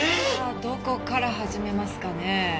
どこから始めますかね。